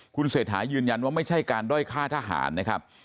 คุณเศรษฐายืนยันว่าไม่ใช่การด้อยฆ่าทหารนะครับ